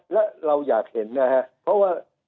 และเราอยากเห็นนะฮะเพราะว่า